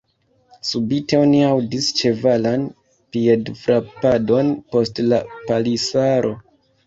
Subite oni aŭdis ĉevalan piedfrapadon post la palisaro.